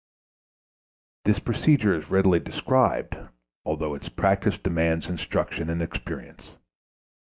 This procedure is readily described, although its practice demands instruction and experience.